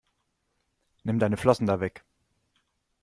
Nimm deine Flossen da weg!